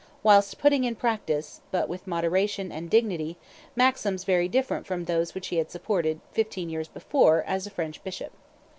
whilst putting in practice, but with moderation and dignity, maxims very different from those which he had supported, fifteen years before, as a French bishop.